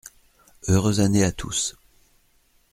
Heureuse année à tous.